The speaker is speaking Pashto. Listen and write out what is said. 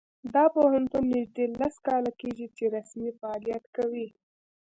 دا پوهنتون نږدې لس کاله کیږي چې رسمي فعالیت کوي